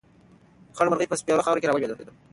خړه مرغۍ په سپېرو خاورو کې راولوېده.